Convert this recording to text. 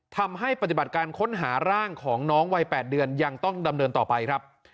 ทำให้ปฏิบัติการค้นหาร่างของน้องวัย๘เดือนยังต้องดำเนินต่อไปครับ